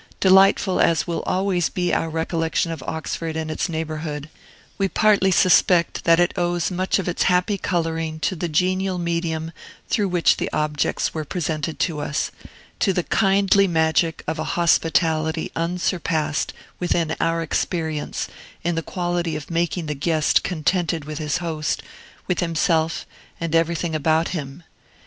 Delightful as will always be our recollection of Oxford and its neighborhood, we partly suspect that it owes much of its happy coloring to the genial medium through which the objects were presented to us, to the kindly magic of a hospitality unsurpassed, within our experience, in the quality of making the guest contented with his host, with himself, and everything about him.